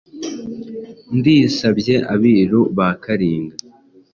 Ndisabye Abiru ba Kalinga